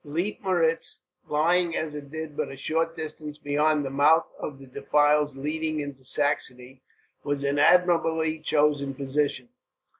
Leitmeritz, lying as it did but a short distance beyond the mouth of the defiles leading into Saxony, was an admirably chosen position.